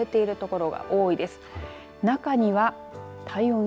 はい。